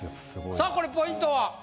さぁこれポイントは？